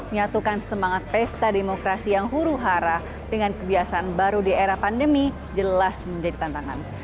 nyatukan semangat pesta demokrasi yang huru hara dengan kebiasaan baru di era pandemi jelas menjadi tantangan